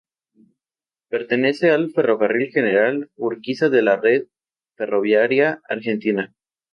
Pertenece al Ferrocarril General Urquiza de la red ferroviaria argentina.